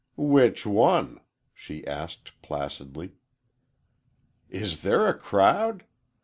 "Which one?" she asked placidly. "Is there a crowd?